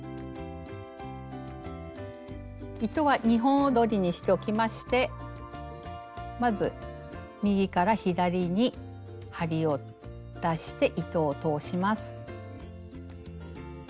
糸は２本どりにしておきましてまず右から左に針を出して糸を通します。